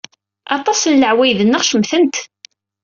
Aṭas si leɛwayed-nneɣ, cemtent.